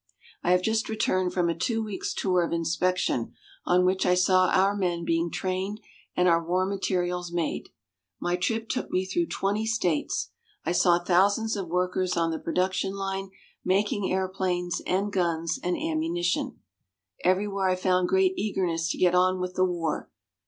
I have just returned from a two weeks' tour of inspection on which I saw our men being trained and our war materials made. My trip took me through twenty states. I saw thousands of workers on the production line, making airplanes, and guns and ammunition. Everywhere I found great eagerness to get on with the war.